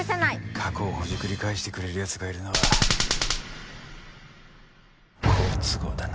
過去を穿り返してくれる奴がいるのは好都合だな。